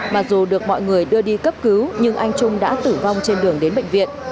mặc dù được mọi người đưa đi cấp cứu nhưng anh trung đã tử vong trên đường đến bệnh viện